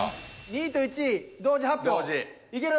２位と１位同時発表いける？